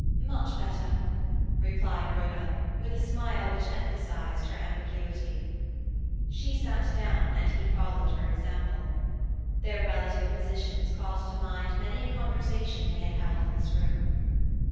"Much better," replied Rhoda, with a smile which emphasized her ambiguity. She sat down, and he followed her example. Their relative positions called to mind many a conversation they had held in this room.